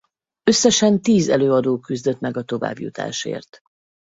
Összesen tíz előadó küzdött meg a továbbjutásért.